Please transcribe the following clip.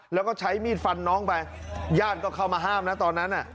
แล้วก็ใช้มีดฟันน้องไปญาติก็เข้ามาห้ามนะตอนนั้น